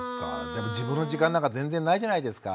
でも自分の時間なんか全然ないじゃないですか。